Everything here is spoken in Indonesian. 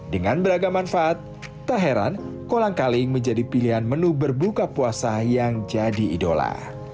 dengan beragam manfaat tak heran kolang kaling menjadi pilihan menu berbuka puasa yang jadi idola